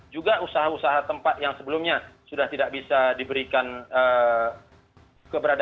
juga usaha usaha tempat yang sebelumnya sudah tidak bisa diberikan keberadaan